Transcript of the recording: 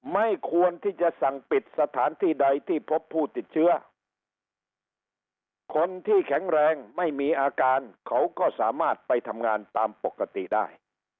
ไม่ควรที่จะสั่งปิดสถานที่ใดที่พบผู้ติดเชื้อคนที่แข็งแรงไม่มีอาการเขาก็สามารถไปทำงานตามปกติได้